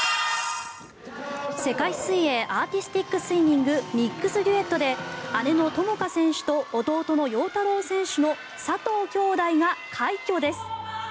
世界水泳アーティスティックスイミングミックスデュエットで姉の友花選手と弟の陽太郎選手の佐藤姉弟が快挙です。